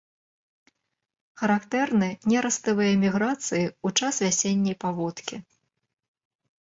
Характэрны нераставыя міграцыі ў час вясенняй паводкі.